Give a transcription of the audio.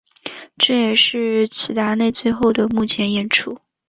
这也是齐达内最后的幕前演出。